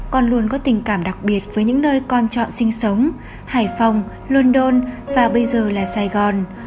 con luôn có tình cảm đặc biệt với những nơi con chọn sinh sống hải phòng london và bây giờ là sài gòn